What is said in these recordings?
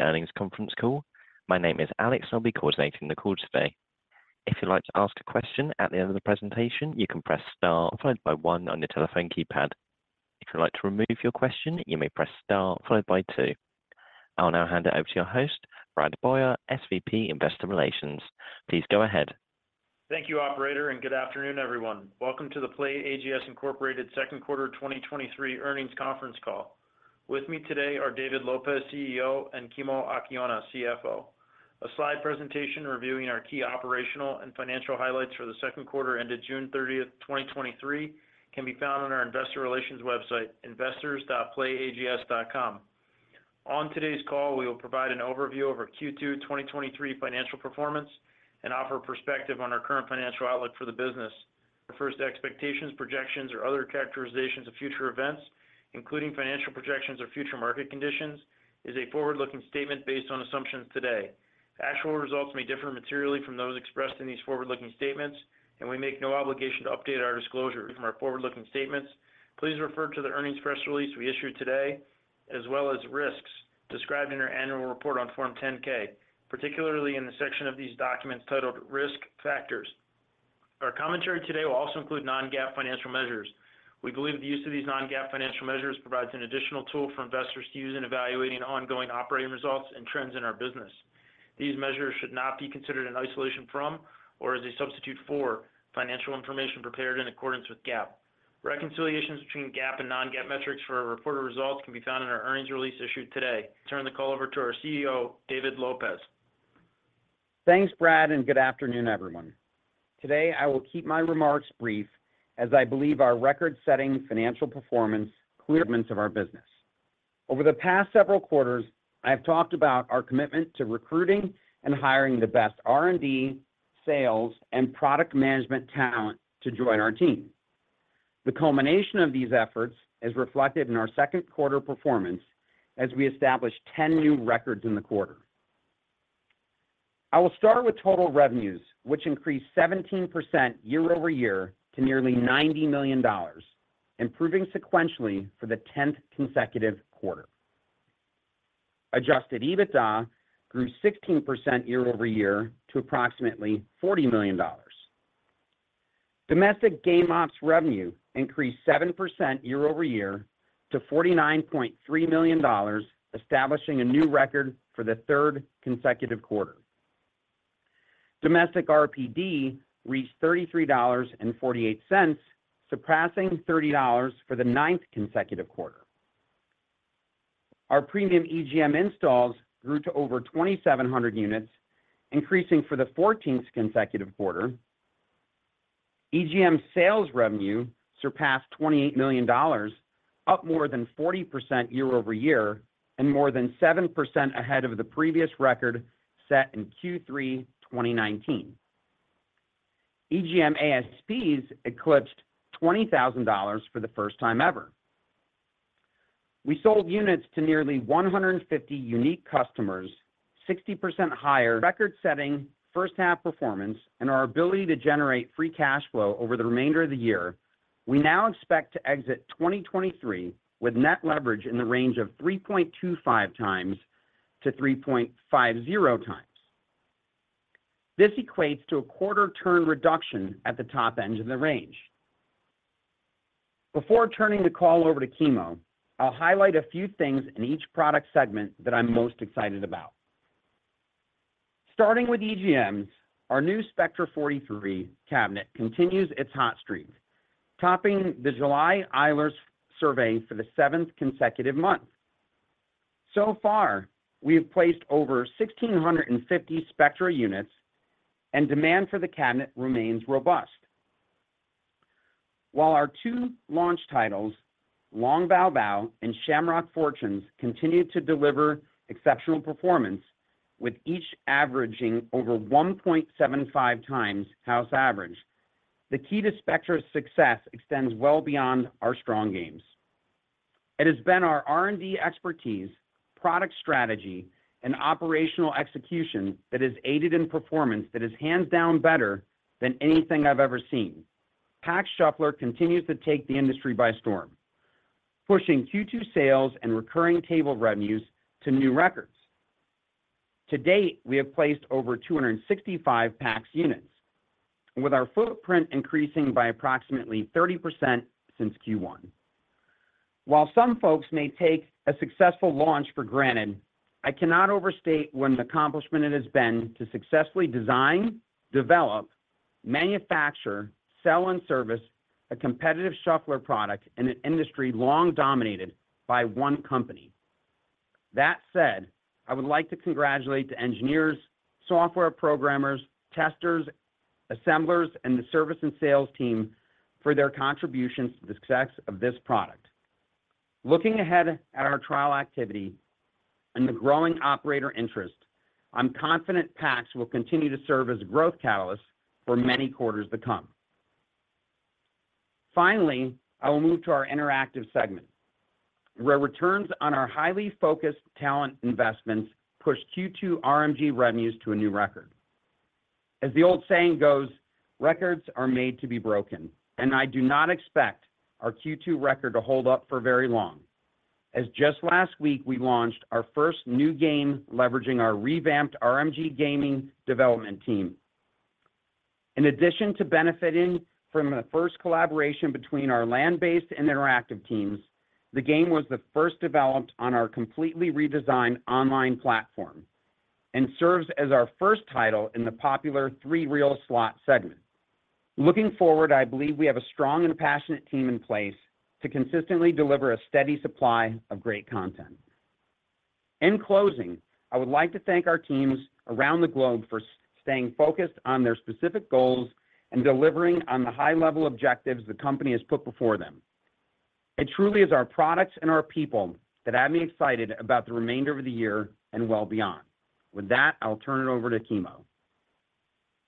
earnings conference call. My name is Alex, and I'll be coordinating the call today. If you'd like to ask a question at the end of the presentation, you can press star followed by one on your telephone keypad. If you'd like to remove your question, you may press star followed by two. I'll now hand it over to your host, Brad Boyer, SVP, Investor Relations. Please go ahead. Thank you, operator, and good afternoon, everyone. Welcome to the PlayAGS Incorporated Second Quarter 2023 Earnings Conference Call. With me today are David Lopez, CEO, and Kimo Akiona, CFO. A slide presentation reviewing our key operational and financial highlights for the second quarter ended June 30th, 2023, can be found on our Investor Relations website, investors.playags.com. On today's call, we will provide an overview of our Q2 2023 financial performance and offer perspective on our current financial outlook for the business. The first expectations, projections, or other characterizations of future events, including financial projections or future market conditions, is a forward-looking statement based on assumptions today. Actual results may differ materially from those expressed in these forward-looking statements, we make no obligation to update our disclosures from our forward-looking statements. Please refer to the earnings press release we issued today, as well as risks described in our annual report on Form 10-K, particularly in the section of these documents titled Risk Factors. Our commentary today will also include non-GAAP financial measures. We believe the use of these non-GAAP financial measures provides an additional tool for investors to use in evaluating ongoing operating results and trends in our business. These measures should not be considered in isolation from or as a substitute for financial information prepared in accordance with GAAP. Reconciliations between GAAP and non-GAAP metrics for our reported results can be found in our earnings release issued today. Turn the call over to our CEO, David Lopez. Thanks, Brad. Good afternoon, everyone. Today, I will keep my remarks brief as I believe our record-setting financial performance clear of our business. Over the past several quarters, I have talked about our commitment to recruiting and hiring the best R&D, sales, and product management talent to join our team. The culmination of these efforts is reflected in our second quarter performance as we established 10 new records in the quarter. I will start with total revenues, which increased 17% year-over-year to nearly $90 million, improving sequentially for the 10th consecutive quarter. Adjusted EBITDA grew 16% year-over-year to approximately $40 million. Domestic game ops revenue increased 7% year-over-year to $49.3 million, establishing a new record for the third consecutive quarter. Domestic RPD reached $33.48, surpassing $30 for the ninth consecutive quarter. Our premium EGM installs grew to over 2,700 units, increasing for the 14th consecutive quarter. EGM sales revenue surpassed $28 million, up more than 40% year-over-year, more than 7% ahead of the previous record set in Q3 2019. EGM ASPs eclipsed $20,000 for the first time ever. We sold units to nearly 150 unique customers, 60% higher- record setting, first half performance, and our ability to generate free cash flow over the remainder of the year, we now expect to exit 2023 with net leverage in the range of 3.25x-3.50x. This equates to a quarter turn reduction at the top end of the range. Before turning the call over to Kimo, I'll highlight a few things in each product segment that I'm most excited about. Starting with EGMs, our new Spectra 43 cabinet continues its hot streak, topping the July Eilers survey for the seventh consecutive month. So far, we have placed over 1,650 Spectra units, and demand for the cabinet remains robust. While our two launch titles, Long Bao Bao and Shamrock Fortunes, continued to deliver exceptional performance, with each averaging over 1.75x house average, the key to Spectra's success extends well beyond our strong games. It has been our R&D expertise, product strategy, and operational execution that has aided in performance that is hands down better than anything I've ever seen. Pax Shuffler continues to take the industry by storm, pushing Q2 sales and recurring table revenues to new records. To date, we have placed over 265 Pax units, with our footprint increasing by approximately 30% since Q1. While some folks may take a successful launch for granted, I cannot overstate what an accomplishment it has been to successfully design, develop, manufacture, sell, and service a competitive shuffler product in an industry long dominated by one company. That said, I would like to congratulate the engineers, software programmers, testers, assemblers, and the service and sales team for their contributions to the success of this product. Looking ahead at our trial activity and the growing operator interest, I'm confident Pax will continue to serve as a growth catalyst for many quarters to come. Finally, I will move to our Interactive segment, where returns on our highly focused talent investments pushed Q2 RMG revenues to a new record.... As the old saying goes, records are made to be broken, and I do not expect our Q2 record to hold up for very long. As just last week, we launched our first new game, leveraging our revamped RMG gaming development team. In addition to benefiting from the first collaboration between our land-based and Interactive teams, the game was the first developed on our completely redesigned online platform, and serves as our first title in the popular three-reel slot segment. Looking forward, I believe we have a strong and passionate team in place to consistently deliver a steady supply of great content. In closing, I would like to thank our teams around the globe for staying focused on their specific goals and delivering on the high-level objectives the company has put before them. It truly is our products and our people that have me excited about the remainder of the year and well beyond. With that, I'll turn it over to Kimo.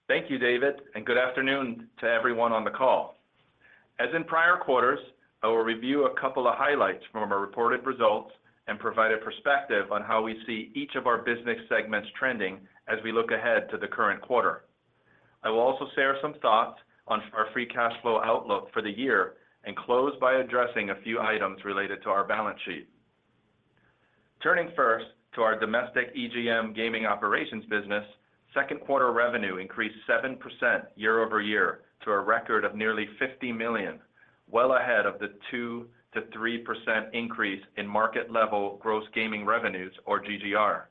Thank you, David. Good afternoon to everyone on the call. As in prior quarters, I will review a couple of highlights from our reported results and provide a perspective on how we see each of our business segments trending as we look ahead to the current quarter. I will also share some thoughts on our free cash flow outlook for the year and close by addressing a few items related to our balance sheet. Turning first to our domestic EGM gaming operations business, second quarter revenue increased 7% year-over-year, to a record of nearly $50 million, well ahead of the 2%-3% increase in market level gross gaming revenues, or GGR.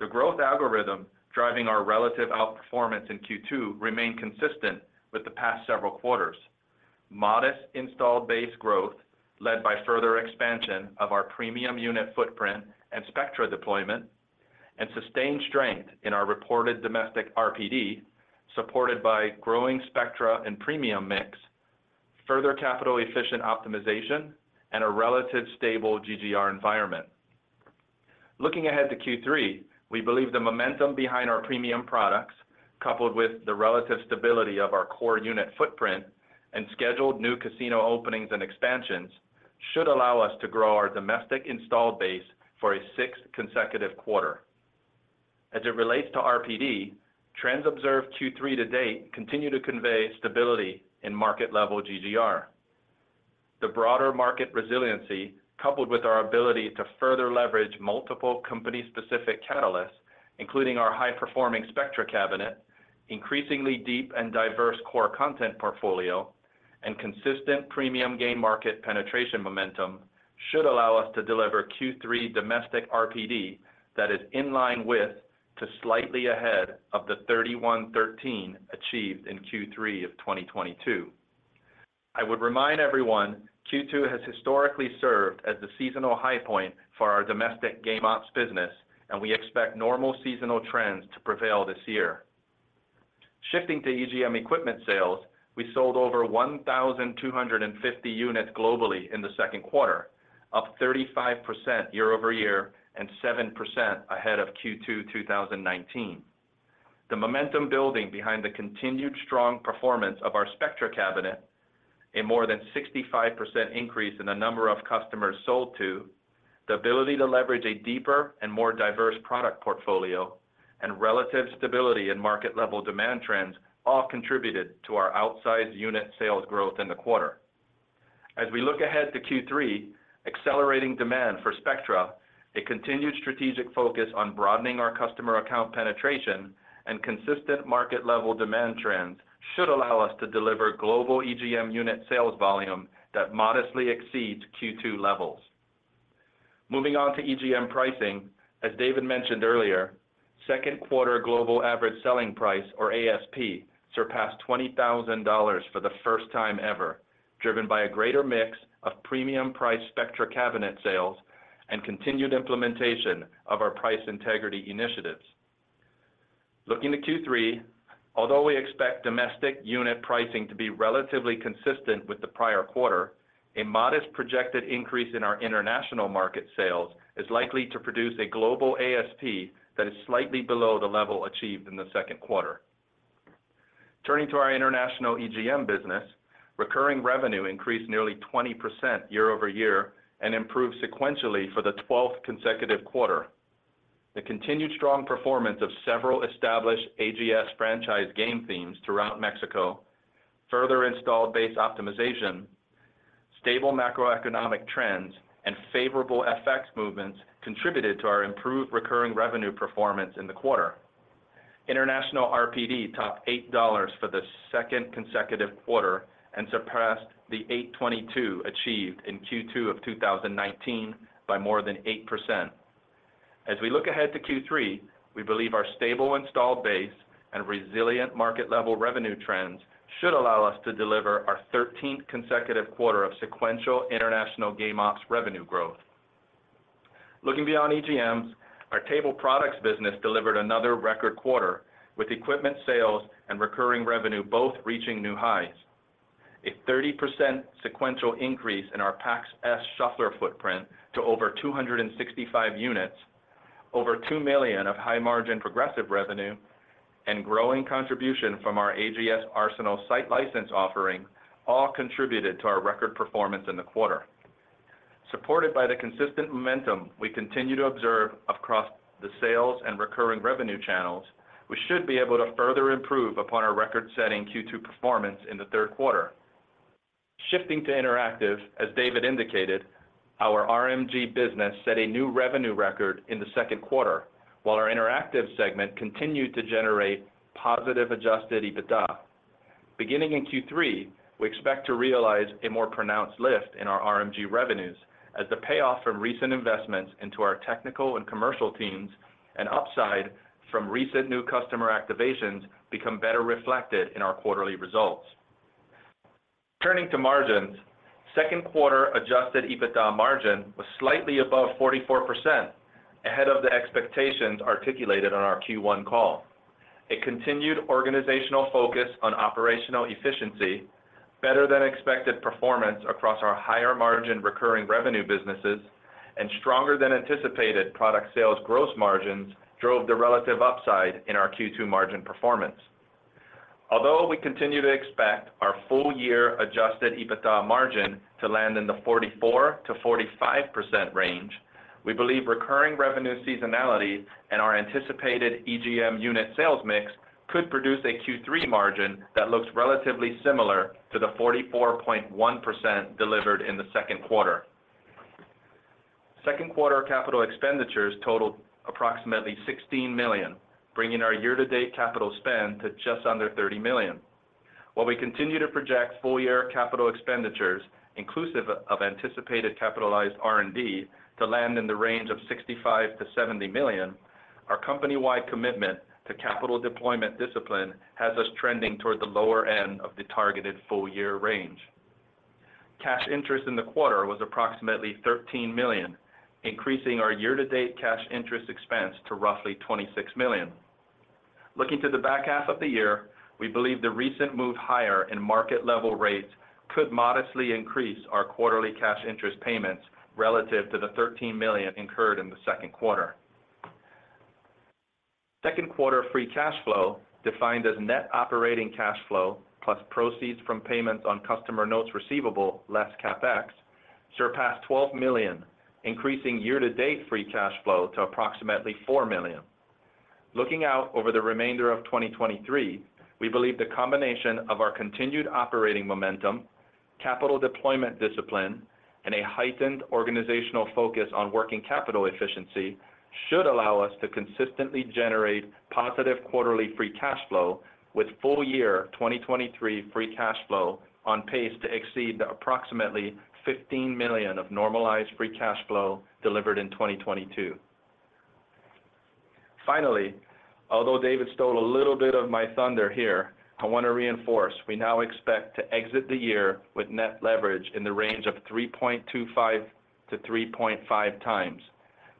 The growth algorithm driving our relative outperformance in Q2 remained consistent with the past several quarters. Modest installed base growth, led by further expansion of our premium unit footprint and Spectra deployment, and sustained strength in our reported domestic RPD, supported by growing Spectra and premium mix, further capital-efficient optimization, and a relative stable GGR environment. Looking ahead to Q3, we believe the momentum behind our premium products, coupled with the relative stability of our core unit footprint and scheduled new casino openings and expansions, should allow us to grow our domestic installed base for a sixth consecutive quarter. As it relates to RPD, trends observed Q3 to date continue to convey stability in market level GGR. The broader market resiliency, coupled with our ability to further leverage multiple company-specific catalysts, including our high-performing Spectra cabinet, increasingly deep and diverse core content portfolio, and consistent premium game market penetration momentum, should allow us to deliver Q3 domestic RPD that is in line with to slightly ahead of the $31.13 achieved in Q3 of 2022. I would remind everyone, Q2 has historically served as the seasonal high point for our domestic game ops business, and we expect normal seasonal trends to prevail this year. Shifting to EGM equipment sales, we sold over 1,250 units globally in the second quarter, up 35% year-over-year, and 7% ahead of Q2 2019. The momentum building behind the continued strong performance of our Spectra cabinet, a more than 65% increase in the number of customers sold to, the ability to leverage a deeper and more diverse product portfolio, and relative stability in market-level demand trends, all contributed to our outsized unit sales growth in the quarter. As we look ahead to Q3, accelerating demand for Spectra, a continued strategic focus on broadening our customer account penetration, and consistent market-level demand trends should allow us to deliver global EGM unit sales volume that modestly exceeds Q2 levels. Moving on to EGM pricing, as David mentioned earlier, second quarter global average selling price, or ASP, surpassed $20,000 for the first time ever, driven by a greater mix of premium price Spectra cabinet sales and continued implementation of our price integrity initiatives. Looking to Q3, although we expect domestic unit pricing to be relatively consistent with the prior quarter, a modest projected increase in our international market sales is likely to produce a global ASP that is slightly below the level achieved in the second quarter. Turning to our international EGM business, recurring revenue increased nearly 20% year-over-year and improved sequentially for the 12th consecutive quarter. The continued strong performance of several established AGS franchise game themes throughout Mexico, further installed base optimization, stable macroeconomic trends, and favorable FX movements contributed to our improved recurring revenue performance in the quarter. International RPD topped $8 for the second consecutive quarter and surpassed the $8.22 achieved in Q2 of 2019 by more than 8%. As we look ahead to Q3, we believe our stable installed base and resilient market-level revenue trends should allow us to deliver our 13th consecutive quarter of sequential international EGM ops revenue growth. Looking beyond EGMs, our Table Products business delivered another record quarter, with equipment sales and recurring revenue both reaching new highs. A 30% sequential increase in our Pax S Shuffler footprint to over 265 units, over $2 million of high-margin progressive revenue, and growing contribution from our AGS Arsenal site license offering all contributed to our record performance in the quarter. Supported by the consistent momentum we continue to observe across the sales and recurring revenue channels, we should be able to further improve upon our record-setting Q2 performance in the third quarter. Shifting to Interactive, as David indicated, our RMG business set a new revenue record in the second quarter, while our Interactive segment continued to generate positive adjusted EBITDA. Beginning in Q3, we expect to realize a more pronounced lift in our RMG revenues as the payoff from recent investments into our technical and commercial teams, and upside from recent new customer activations become better reflected in our quarterly results. Turning to margins, second quarter adjusted EBITDA margin was slightly above 44%, ahead of the expectations articulated on our Q1 call. A continued organizational focus on operational efficiency, better than expected performance across our higher-margin recurring revenue businesses, and stronger than anticipated product sales gross margins drove the relative upside in our Q2 margin performance. Although we continue to expect our full year adjusted EBITDA margin to land in the 44%-45% range, we believe recurring revenue seasonality and our anticipated EGM unit sales mix could produce a Q3 margin that looks relatively similar to the 44.1% delivered in the second quarter. Second quarter capital expenditures totaled approximately $16 million, bringing our year-to-date capital spend to just under $30 million. While we continue to project full-year capital expenditures, inclusive of anticipated capitalized R&D, to land in the range of $65 million-$70 million, our company-wide commitment to capital deployment discipline has us trending toward the lower end of the targeted full-year range. Cash interest in the quarter was approximately $13 million, increasing our year-to-date cash interest expense to roughly $26 million. Looking to the back half of the year, we believe the recent move higher in market level rates could modestly increase our quarterly cash interest payments relative to the $13 million incurred in the second quarter. Second quarter free cash flow, defined as net operating cash flow plus proceeds from payments on customer notes receivable less CapEx, surpassed $12 million, increasing year-to-date free cash flow to approximately $4 million. Looking out over the remainder of 2023, we believe the combination of our continued operating momentum, capital deployment discipline, and a heightened organizational focus on working capital efficiency should allow us to consistently generate positive quarterly free cash flow, with full year 2023 free cash flow on pace to exceed the approximately $15 million of normalized free cash flow delivered in 2022. Finally, although David stole a little bit of my thunder here, I want to reinforce, we now expect to exit the year with net leverage in the range of 3.25x-3.5x.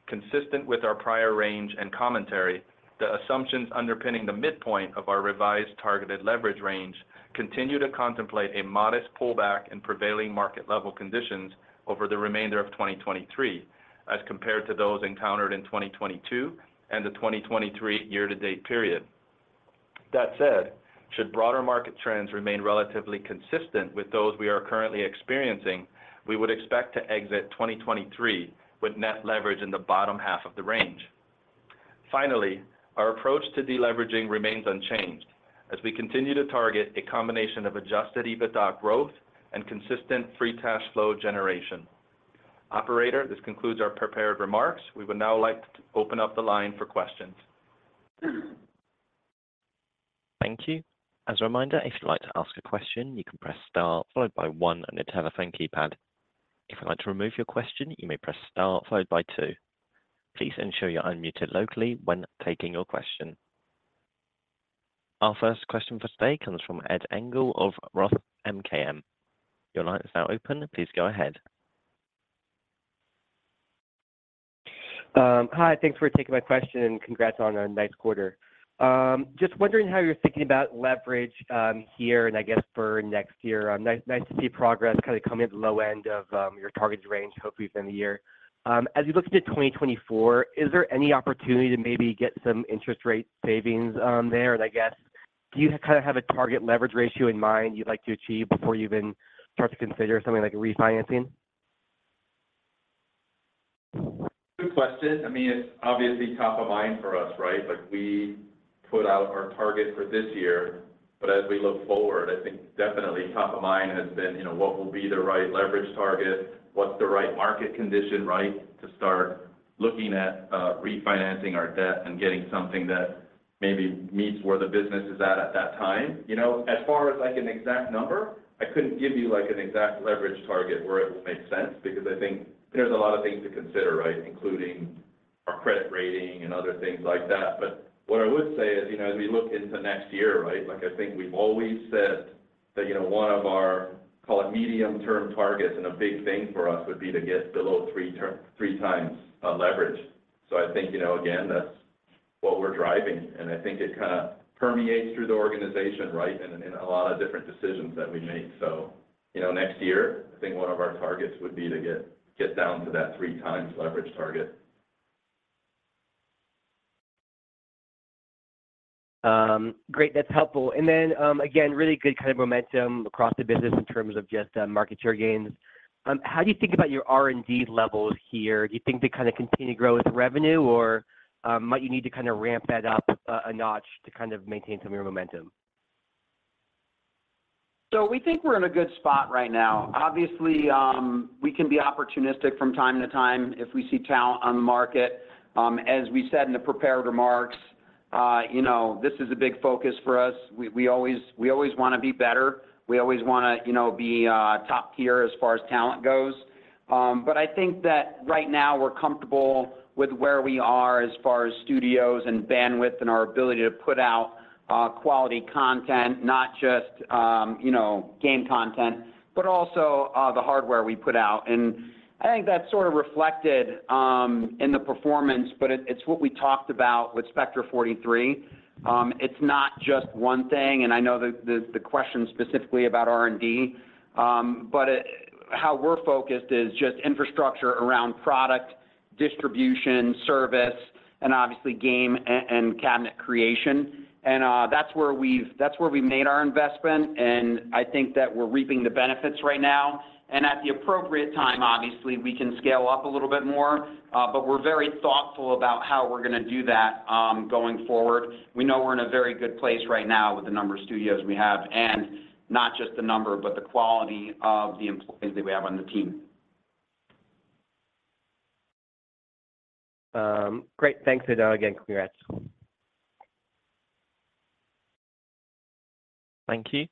Consistent with our prior range and commentary, the assumptions underpinning the midpoint of our revised targeted leverage range continue to contemplate a modest pullback in prevailing market level conditions over the remainder of 2023, as compared to those encountered in 2022 and the 2023 year-to-date period. That said, should broader market trends remain relatively consistent with those we are currently experiencing, we would expect to exit 2023 with net leverage in the bottom half of the range. Finally, our approach to deleveraging remains unchanged, as we continue to target a combination of adjusted EBITDA growth and consistent free cash flow generation. Operator, this concludes our prepared remarks. We would now like to open up the line for questions. Thank you. As a reminder, if you'd like to ask a question, you can press star followed by one on your telephone keypad. If you'd like to remove your question, you may press star followed by two. Please ensure you're unmuted locally when taking your question. Our first question for today comes from Edward Engel of Roth MKM. Your line is now open. Please go ahead. Hi, thanks for taking my question, and congrats on a nice quarter. Just wondering how you're thinking about leverage here, and I guess for next year. Nice, nice to see progress kind of coming at the low end of your targets range, hopefully within the year. As you look into 2024, is there any opportunity to maybe get some interest rate savings there? I guess, do you kind of have a target leverage ratio in mind you'd like to achieve before you even start to consider something like refinancing? Good question. I mean, it's obviously top of mind for us, right? Like we put out our target for this year. As we look forward, I think definitely top of mind has been, you know, what will be the right leverage target? What's the right market condition, right, to start looking at refinancing our debt and getting something that maybe meets where the business is at, at that time. You know, as far as, like, an exact number, I couldn't give you, like, an exact leverage target where it will make sense, because I think there's a lot of things to consider, right? Including our credit rating and other things like that. What I would say is, you know, as we look into next year, right, like, I think we've always said that, you know, one of our, call it, medium-term targets and a big thing for us would be to get below 3x leverage. I think, you know, again, that's what we're driving, and I think it kind of permeates through the organization, right, in, in a lot of different decisions that we make. You know, next year, I think one of our targets would be to get, get down to that 3x leverage target. Great, that's helpful. Then, again, really good kind of momentum across the business in terms of just market share gains. How do you think about your R&D levels here? Do you think they kind of continue to grow with revenue, or might you need to kind of ramp that up a, a notch to kind of maintain some of your momentum? We think we're in a good spot right now. Obviously, we can be opportunistic from time to time if we see talent on the market. As we said in the prepared remarks, you know, this is a big focus for us. We, we always, we always wanna be better. We always wanna, you know, be top tier as far as talent goes. But I think that right now we're comfortable with where we are as far as studios and bandwidth, and our ability to put out quality content, not just, you know, game content, but also the hardware we put out. I think that's sort of reflected in the performance, but it, it's what we talked about with Spectra 43. It's not just one thing, and I know the, the, the question's specifically about R&D. How we're focused is just infrastructure around product, distribution, service, and obviously game and cabinet creation. That's where we've made our investment, and I think that we're reaping the benefits right now. At the appropriate time, obviously, we can scale up a little bit more, but we're very thoughtful about how we're gonna do that going forward. We know we're in a very good place right now with the number of studios we have, and not just the number, but the quality of the employees that we have on the team. Great. Thanks, [Ed]. Again, congrats. Thank you.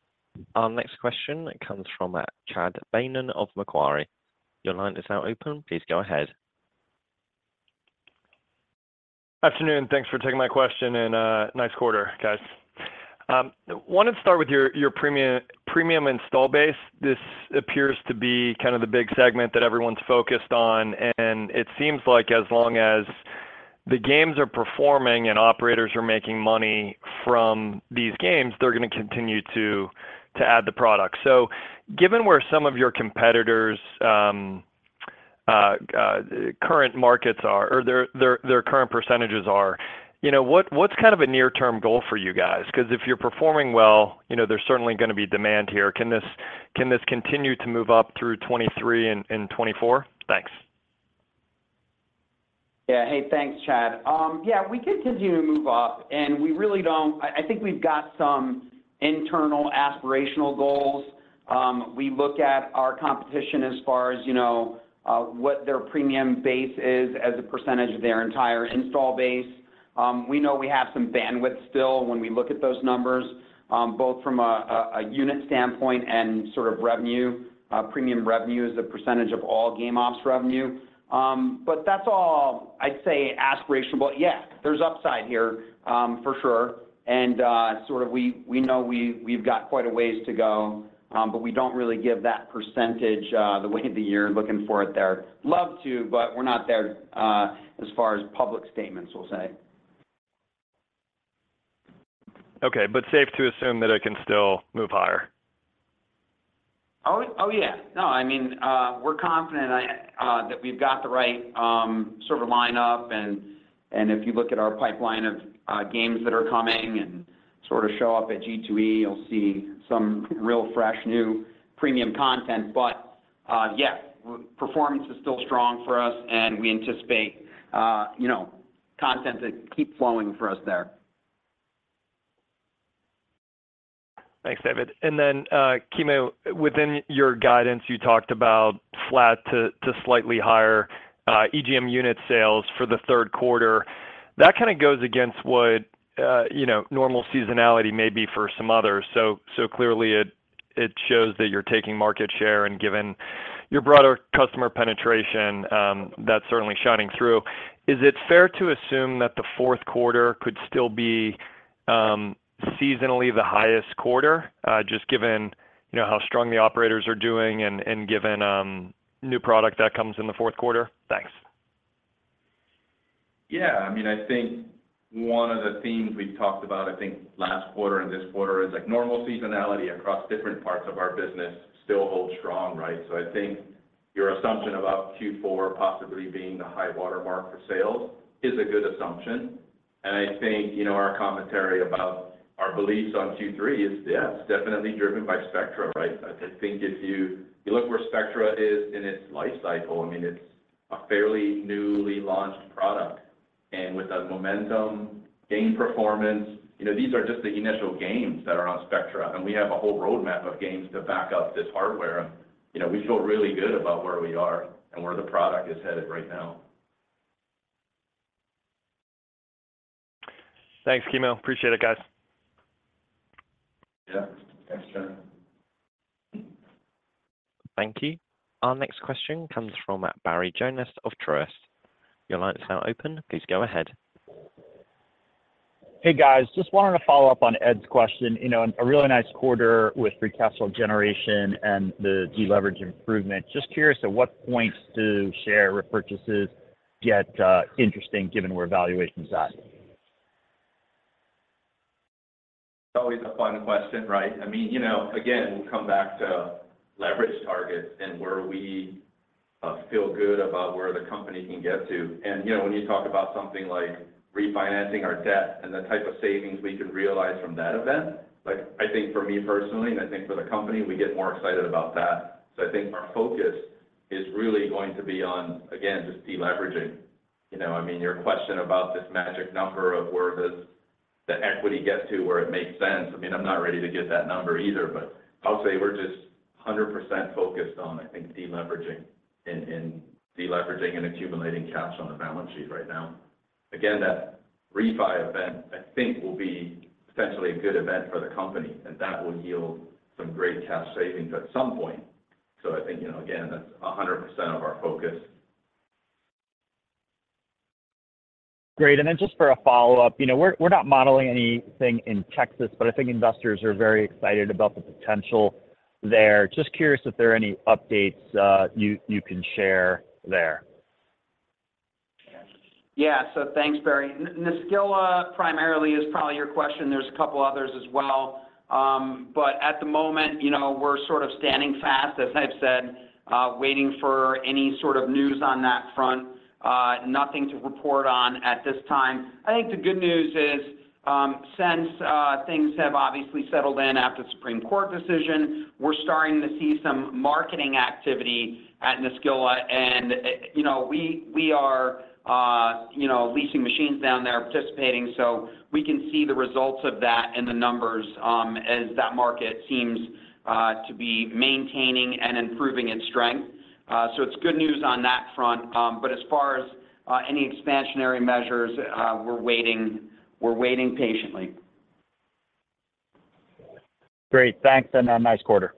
Our next question comes from Chad Beynon of Macquarie. Your line is now open, please go ahead. Afternoon, thanks for taking my question, and nice quarter, guys. Wanted to start with your, your premium, premium install base. This appears to be kind of the big segment that everyone's focused on, and it seems like as long as the games are performing and operators are making money from these games, they're gonna continue to, to add the product. Given where some of your competitors', current markets are or their, their, their current percentages are, you know, what, what's kind of a near-term goal for you guys? 'Cause if you're performing well, you know, there's certainly gonna be demand here. Can this, can this continue to move up through 2023 and, and 2024? Thanks. Yeah. Hey, thanks, Chad. Yeah, we could continue to move up, and we really don't. I think we've got some internal aspirational goals. We look at our competition as far as, you know, what their premium base is as a percentage of their entire install base. We know we have some bandwidth still when we look at those numbers, both from a unit standpoint and sort of revenue. Premium revenue is the percentage of all game ops revenue. But that's all, I'd say, aspirational. But yeah, there's upside here, for sure, and sort of we know we've got quite a ways to go, but we don't really give that percentage the way of the year looking for it there. Love to, but we're not there, as far as public statements, we'll say. Okay, safe to assume that it can still move higher? Oh, oh, yeah. No, I mean, we're confident that we've got the right sort of lineup and, and if you look at our pipeline of games that are coming and sort of show up at G2E, you'll see some real fresh, new premium content. Yeah, w- performance is still strong for us, and we anticipate, you know, content to keep flowing for us there. Thanks, David. Kimo, within your guidance, you talked about flat to, to slightly higher EGM unit sales for the third quarter. That kind of goes against what, you know, normal seasonality may be for some others. Clearly, it, it shows that you're taking market share, and given your broader customer penetration, that's certainly shining through. Is it fair to assume that the fourth quarter could still be seasonally the highest quarter, just given, you know, how strong the operators are doing and, and given new product that comes in the fourth quarter? Thanks. Yeah, I mean, I think one of the themes we've talked about, I think last quarter and this quarter, is like normal seasonality across different parts of our business still holds strong, right? I think your assumption about Q4 possibly being the high-water mark for sales is a good assumption. I think, you know, our commentary about our beliefs on Q3 is, yeah, it's definitely driven by Spectra, right? I think if you look where Spectra is in its life cycle, I mean, it's a fairly newly launched product, and with that momentum, game performance, you know, these are just the initial games that are on Spectra, and we have a whole roadmap of games to back up this hardware. You know, we feel really good about where we are and where the product is headed right now. Thanks, Kimo. Appreciate it, guys. Yeah. Thanks, Chad. Thank you. Our next question comes from Barry Jonas of Truist. Your line is now open, please go ahead. Hey, guys, just wanted to follow up on Ed's question. You know, a really nice quarter with free cash flow generation and the deleverage improvement. Just curious at what points do share repurchases get interesting given where valuation's at? It's always a fun question, right? I mean, you know, again, we'll come back to leverage targets and where we feel good about where the company can get to. You know, when you talk about something like refinancing our debt and the type of savings we could realize from that event, like, I think for me personally, and I think for the company, we get more excited about that. I think our focus is really going to be on, again, just deleveraging. You know, I mean, your question about this magic number of where does the equity get to, where it makes sense. I mean, I'm not ready to give that number either, but I'll say we're just 100% focused on, I think, deleveraging and, and deleveraging and accumulating cash on the balance sheet right now. Again, that refi event, I think, will be potentially a good event for the company, and that will yield some great cash savings at some point. I think, you know, again, that's 100% of our focus. Great. Then just for a follow-up, you know, we're, we're not modeling anything in Texas, but I think investors are very excited about the potential there. Just curious if there are any updates, you, you can share there? Thanks, Barry. Naskila primarily is probably your question, there's a couple others as well. But at the moment, you know, we're sort of standing fast, as I've said, waiting for any sort of news on that front. Nothing to report on at this time. I think the good news is, since things have obviously settled in after the Supreme Court decision, we're starting to see some marketing activity at Naskila. We, you know, we are, you know, leasing machines down there, participating, so we can see the results of that in the numbers, as that market seems to be maintaining and improving its strength. It's good news on that front. But as far as any expansionary measures, we're waiting, we're waiting patiently. Great. Thanks, and, nice quarter.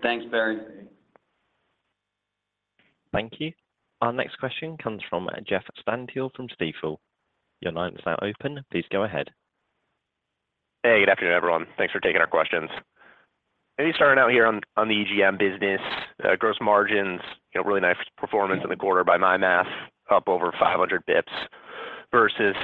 Thanks, Barry. Thank you. Our next question comes from Jeff Stantial from Stifel. Your line is now open. Please go ahead. Hey, good afternoon, everyone. Thanks for taking our questions. Maybe starting out here on, on the EGM business, gross margins, you know, really nice performance in the quarter by my math, up over 500 basis points versus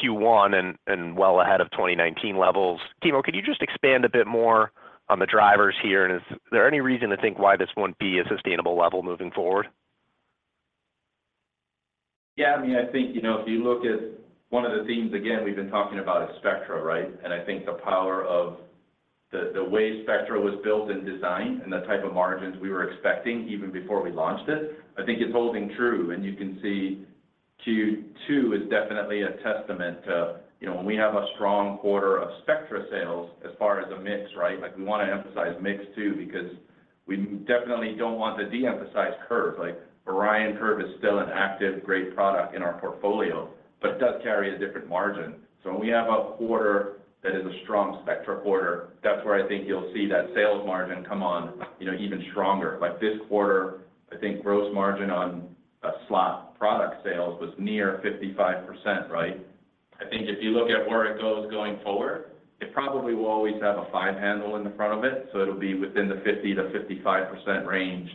Q1 and well ahead of 2019 levels. Kimo, could you just expand a bit more on the drivers here? Is there any reason to think why this won't be a sustainable level moving forward? Yeah, I mean, I think, you know, if you look at one of the themes again, we've been talking about is Spectra, right? I think the power of the way Spectra was built and designed and the type of margins we were expecting even before we launched it, I think it's holding true. You can see Q2 is definitely a testament to, you know, when we have a strong quarter of Spectra sales as far as a mix, right? Like, we want to emphasize mix too, because we definitely don't want to de-emphasize Curve. Like, Orion Curve is still an active, great product in our portfolio, but it does carry a different margin. When we have a quarter that is a strong Spectra quarter, that's where I think you'll see that sales margin come on, you know, even stronger. Like this quarter, I think gross margin on a slot product sales was near 55%, right? I think if you look at where it goes going forward, it probably will always have a five handle in the front of it, so it'll be within the 50%-55% range.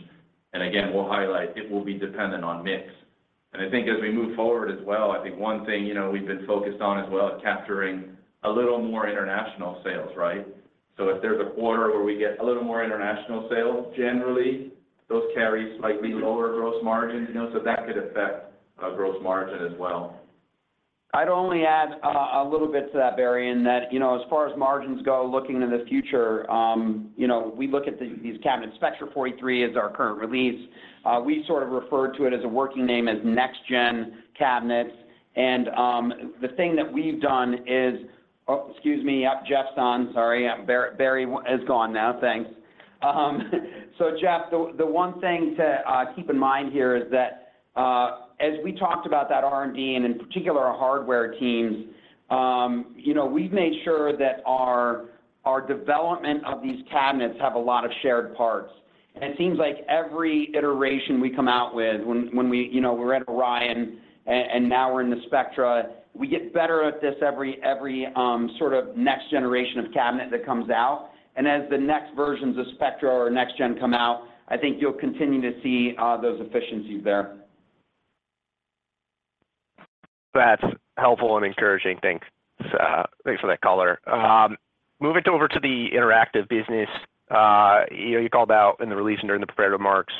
Again, we'll highlight it will be dependent on mix. I think as we move forward as well, I think one thing, you know, we've been focused on as well is capturing a little more international sales, right? If there's a quarter where we get a little more international sales, generally, those carry slightly lower gross margins, you know, so that could affect gross margin as well. I'd only add a, a little bit to that, Barry, in that, you know, as far as margins go, looking to the future, you know, we look at the- these cabinets. Spectra 43 is our current release. We sort of refer to it as a working name, as next gen cabinets. The thing that we've done is... Excuse me, yep, Jeff's on. Sorry, Barry is gone now. Thanks. Jeff, the, the one thing to keep in mind here is that, as we talked about that R&D, and in particular our hardware teams, you know, we've made sure that our, our development of these cabinets have a lot of shared parts. It seems like every iteration we come out with, when, when we you know, we're at Orion and now we're in the Spectra, we get better at this every, every sort of next generation of cabinet that comes out. As the next versions of Spectra or next gen come out, I think you'll continue to see those efficiencies there. That's helpful and encouraging. Thanks. Thanks for that color. Moving over to the Interactive business, you know, you called out in the release and during the prepared remarks,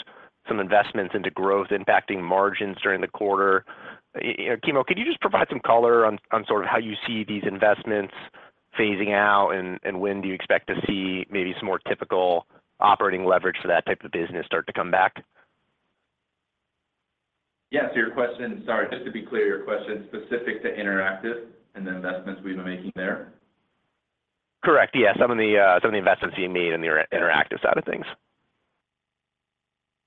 some investments into growth impacting margins during the quarter. You know, Kimo, could you just provide some color on, on sort of how you see these investments phasing out, and, and when do you expect to see maybe some more typical operating leverage for that type of business start to come back? Yeah. Sorry, just to be clear, your question is specific to Interactive and the investments we've been making there? Correct. Yeah. Some of the, some of the investments you made in the Interactive side of things.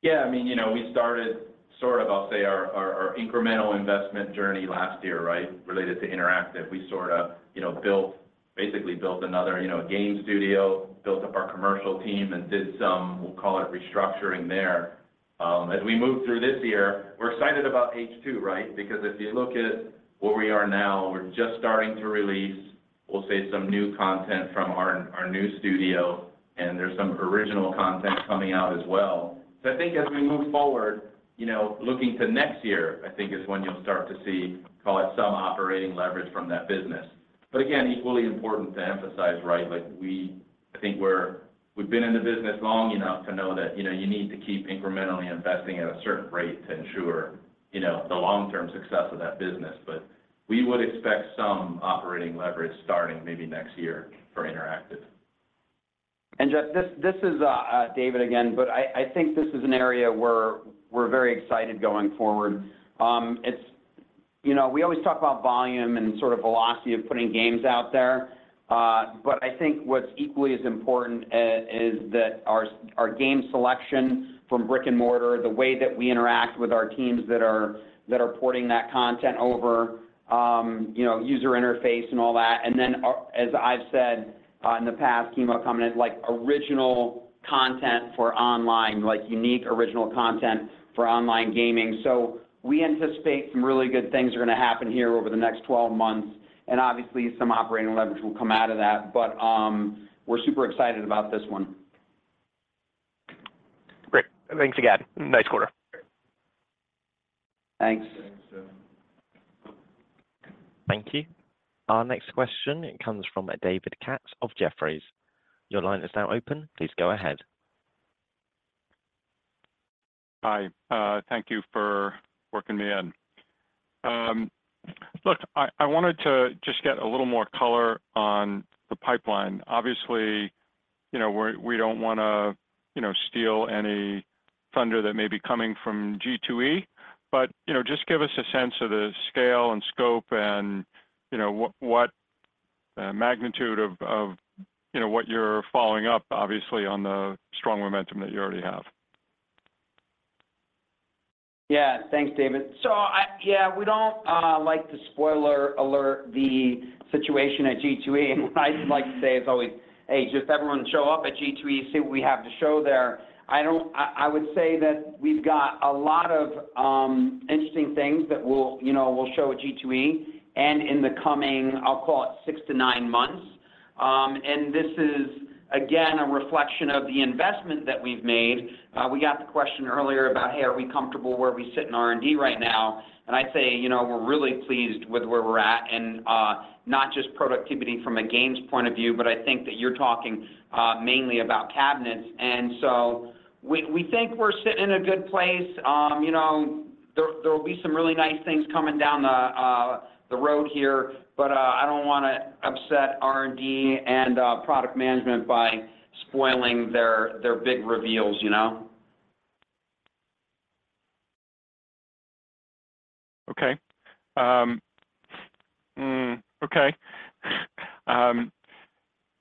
Yeah, I mean, you know, we started sort of, I'll say, our, our, our incremental investment journey last year, right? Related to Interactive. We sort of, you know, basically built another, you know, game studio, built up our commercial team, and did some, we'll call it restructuring there. As we move through this year, we're excited about H2, right? If you look at where we are now, we're just starting to release, we'll say, some new content from our, our new studio, and there's some original content coming out as well. I think as we move forward, you know, looking to next year, I think is when you'll start to see, call it some operating leverage from that business. Again, equally important to emphasize, right, like we... I think we've been in the business long enough to know that, you know, you need to keep incrementally investing at a certain rate to ensure, you know, the long-term success of that business. We would expect some operating leverage starting maybe next year for Interactive. Jeff, this, this is David again, but I, I think this is an area where we're very excited going forward. It's, you know, we always talk about volume and sort of velocity of putting games out there, but I think what's equally as important, is that our game selection from brick-and-mortar, the way that we interact with our teams that are, that are porting that content over, you know, user interface and all that. Then, as I've said, in the past, Kimo coming in, like, original content for online, like unique original content for online gaming. We anticipate some really good things are gonna happen here over the next 12 months, and obviously, some operating leverage will come out of that, but, we're super excited about this one. Great. Thanks again. Nice quarter. Thanks. Thanks, David. Thank you. Our next question comes from David Katz of Jefferies. Your line is now open. Please go ahead. Hi, thank you for working me in. Look, I, I wanted to just get a little more color on the pipeline. Obviously, you know, we don't wanna, you know, steal any thunder that may be coming from G2E, but, you know, just give us a sense of the scale and scope and, you know, what, what magnitude of, of, you know, what you're following up, obviously, on the strong momentum that you already have. Yeah. Thanks, David. I... Yeah, we don't like to spoiler alert the situation at G2E. What I like to say is always, "Hey, just everyone show up at G2E, see what we have to show there." We've got a lot of interesting things that we'll, you know, we'll show at G2E and in the coming, I'll call it six to nine months. This is, again, a reflection of the investment that we've made. We got the question earlier about, Hey, are we comfortable where we sit in R&D right now? I'd say, you know, we're really pleased with where we're at, not just productivity from a games point of view, but I think that you're talking mainly about cabinets, we think we're sitting in a good place. You know, there, there will be some really nice things coming down the road here, but I don't wanna upset R&D and product management by spoiling their, their big reveals, you know? Okay.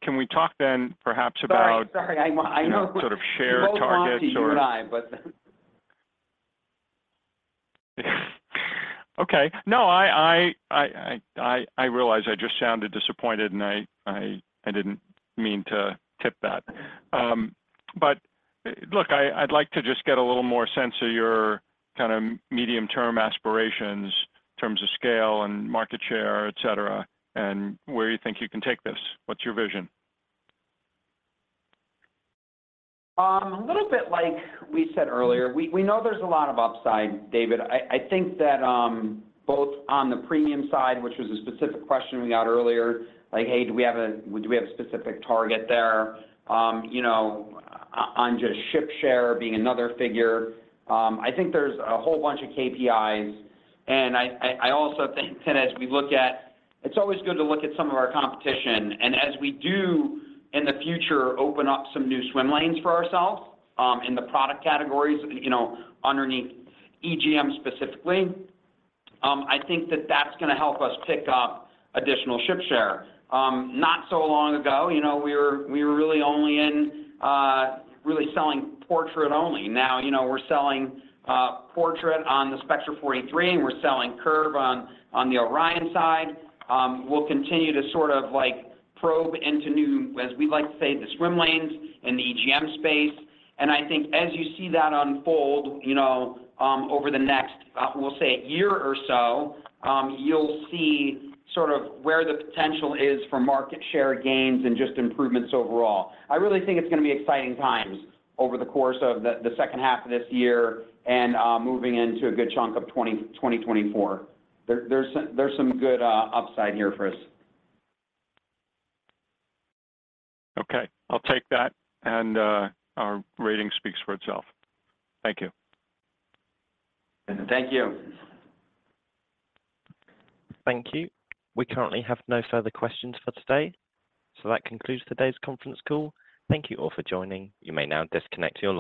Can we talk then perhaps about... Sorry, sorry. I want, I know- sort of shared targets or- We both want to, you and I, but Okay. No, I realize I just sounded disappointed, and I didn't mean to tip that. Look, I'd like to just get a little more sense of your kind of medium-term aspirations in terms of scale and market share, et cetera, and where you think you can take this. What's your vision? A little bit like we said earlier, we, we know there's a lot of upside, David. I, I think that, both on the premium side, which was a specific question we got earlier, like, "Hey, do we have a, do we have a specific target there?" You know, on just ship share being another figure. I think there's a whole bunch of KPIs, and I, I, I also think, and as we look at, it's always good to look at some of our competition, and as we do in the future, open up some new swim lanes for ourselves, in the product categories, you know, underneath EGM specifically. I think that that's gonna help us pick up additional ship share. Not so long ago, you know, we were, we were really only in, really selling Portrait only. Now, you know, we're selling Portrait on the Spectra 43, and we're selling Curve on the Orion side. We'll continue to sort of, like, probe into new, as we like to say, the swim lanes in the EGM space. And I think as you see that unfold, you know, over the next, we'll say one year or so, you'll see sort of where the potential is for market share gains and just improvements overall. I really think it's gonna be exciting times over the course of the second half of this year and moving into a good chunk of 2024. There, there's some, there's some good upside here for us. Okay, I'll take that, and our rating speaks for itself. Thank you. Thank you. Thank you. We currently have no further questions for today, so that concludes today's conference call. Thank you all for joining. You may now disconnect your line.